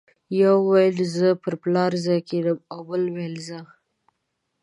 یو ویل زه پر پلار ځای کېنم او بل ویل زه.